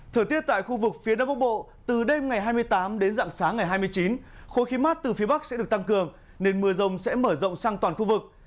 thời tiết tại khu vực phía đông bắc bộ từ đêm ngày hai mươi tám đến dạng sáng ngày hai mươi chín khối khí mát từ phía bắc sẽ được tăng cường nên mưa rông sẽ mở rộng sang toàn khu vực